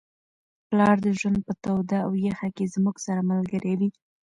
پلار د ژوند په توده او یخه کي زموږ سره ملګری وي.